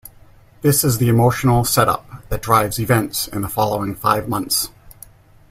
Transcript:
This is the emotional set-up that drives events in the following five months.